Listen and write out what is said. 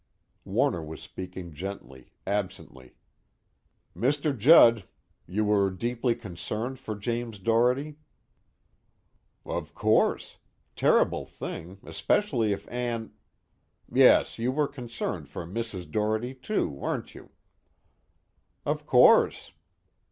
Warner was speaking gently, absently. "Mr. Judd, you were deeply concerned for James Doherty?" "Of course. Terrible thing, specially if Ann " "Yes, you were concerned for Mrs. Doherty too, weren't you?" "Of course."